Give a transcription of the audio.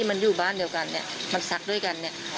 มันอยู่บ้านเดียวกัน